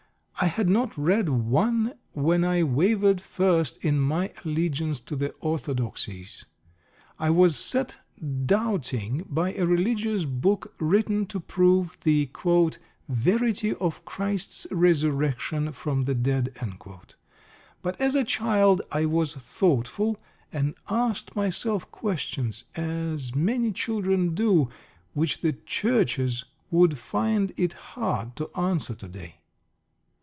I had not read one when I wavered first in my allegiance to the orthodoxies. I was set doubting by a religious book written to prove the "Verity of Christ's Resurrection from the Dead." But as a child I was thoughtful, and asked myself questions, as many children do, which the Churches would find it hard to answer to day.